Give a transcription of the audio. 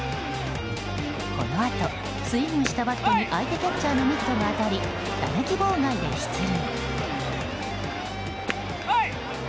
このあとスイングしたバットに相手キャッチャーのミットが当たり打撃妨害で出塁。